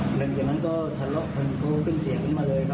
แบบอย่างงี้มันก็ทะเลาะกันโก้ขึ้นเสียงขึ้นมาเลยครับ